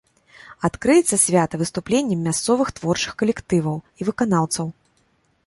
Адкрыецца свята выступленнем мясцовых творчых калектываў і выканаўцаў.